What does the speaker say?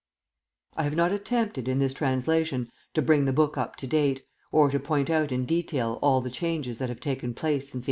I have not attempted, in this translation, to bring the book up to date, or to point out in detail all the changes that have taken place since 1844.